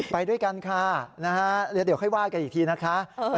ไปด้วยกันค่ะนะฮะเดี๋ยวค่อยว่ากันอีกทีนะคะ